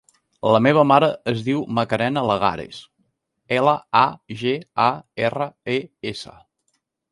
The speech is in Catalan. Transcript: La meva mare es diu Macarena Lagares: ela, a, ge, a, erra, e, essa.